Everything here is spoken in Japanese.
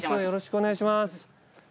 よろしくお願いします。